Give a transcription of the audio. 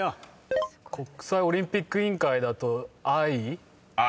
国際オリンピック委員会だと「ＩＯ」